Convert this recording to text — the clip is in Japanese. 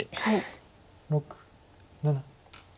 ６７。